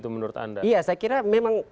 menurut anda ya saya kira memang